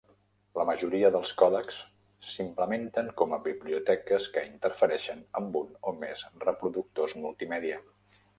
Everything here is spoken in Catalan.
La majoria dels còdecs s'implementen com a biblioteques que interfereixen amb un o més reproductors multimèdia.